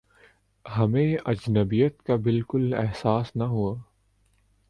ہمیں اجنبیت کا بالکل احساس نہ ہوا